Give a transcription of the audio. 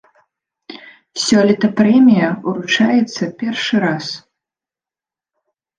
Сёлета прэмія ўручаецца першы раз.